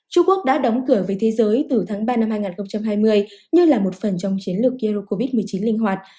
trung quốc đã đóng cửa về thế giới từ tháng ba năm hai nghìn hai mươi như là một phần trong chiến lược eurocovid một mươi chín linh hoạt